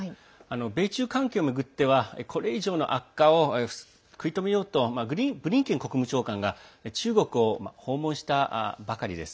米中関係を巡ってはこれ以上の悪化を止めようとブリンケン国務長官が中国を訪問したばかりです。